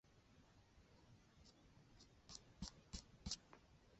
川西小金发藓为土马鬃科小金发藓属下的一个种。